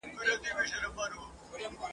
رنګین ګلونه پر ګرېوانه سول !.